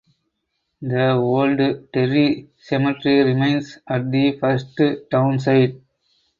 The Old Terry Cemetery remains at the first townsite.